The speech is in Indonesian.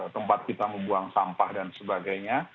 tempat kita membuang sampah dan sebagainya